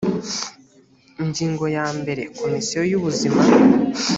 ingingo ya mbere komisiyo y ubuzima